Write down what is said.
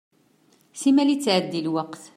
Simmal ittɛeddi lweqt.